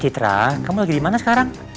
citra kamu lagi dimana sekarang